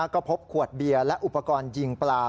ก็พบขวดเบียร์และอุปกรณ์ยิงปลา